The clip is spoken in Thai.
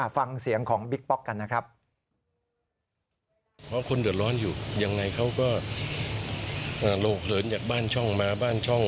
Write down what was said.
ฟังเสียงของบิ๊กป๊อกกันนะครับ